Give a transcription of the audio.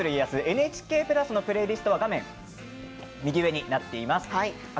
ＮＨＫプラスのプレイリストは画面右上になっています。